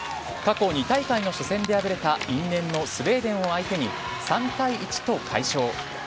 過去２大会の初戦で敗れた因縁のスウェーデンを相手に３対１と快勝。